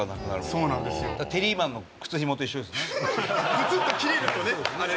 ブツッと切れるとね、あれ。